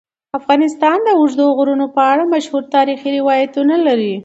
افغانستان د اوږده غرونه په اړه مشهور تاریخی روایتونه لري.